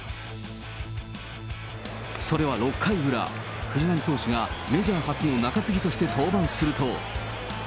それは６回裏、藤浪投手がメジャー初の中継ぎとして登板すると。